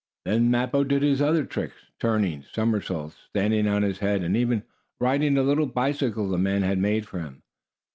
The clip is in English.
(Page 99)] Then Mappo did his other tricks turning somersaults, standing on his head, and even riding a little bicycle the man had made for him.